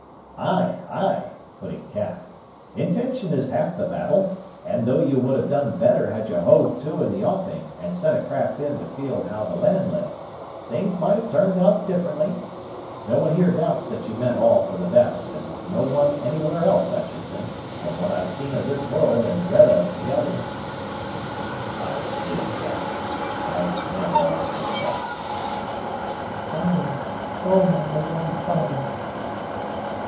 "Ay, ay," put in Cap; "intention is half the battle; and though you would have done better had you hove to in the offing and sent a craft in to feel how the land lay, things might have turned out differently: no one here doubts that you meant all for the best, and no one anywhere else, I should think, from what I've seen of this world and read of t'other." "I did; yes. I meant all for the best." "Father! Oh, my beloved father!"